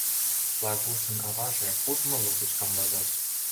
Плагушын аваже куржмо лугыч камвозеш.